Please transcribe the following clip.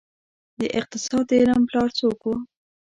د اقتصاد د علم پلار څوک وه؟